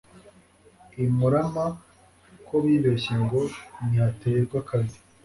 I Murama ko bibeshye ngo ntihaterwa kabiri,